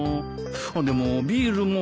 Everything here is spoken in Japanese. でもビールも。